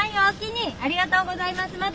ありがとうございます。